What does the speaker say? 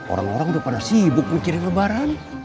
orang orang udah pada sibuk mikirin lebaran